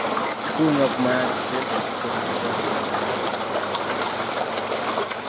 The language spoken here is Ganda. Kikulu nnyo okumanya nti ssente ezikozesebwa zeeyongerako buli lw’ogaziya ennimiro.